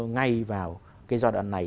ngay vào cái giai đoạn này